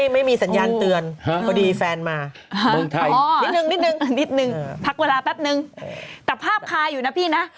ไม่มีสัญญาณเตือนพอดีแฟนมาเมืองไทยนิดนึงนิดนึงพักเวลาแป๊บนึงแต่ภาพคาอยู่นะพี่นะ